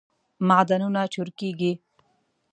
معدنونه چورکیږی